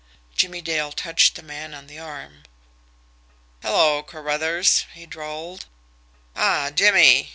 Jimmie Dale touched the man on the arm. "Hello, Carruthers!" he drawled. "Ah, Jimmie!"